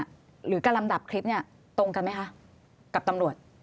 อธิบายคลิปนี่หรือกระลำดับคลิปนี่ตรงกันไหมคะกับตำรวจ